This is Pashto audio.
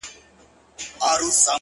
چي ته راتلې هيڅ يو قدم دې ساه نه درلوده!